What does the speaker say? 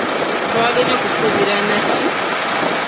Twalina kukubira na ki?